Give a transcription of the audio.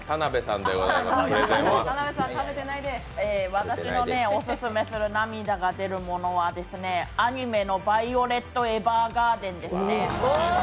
私のオススメする涙が出るものはアニメの「ヴァイオレット・エヴァーガーデン」ですね。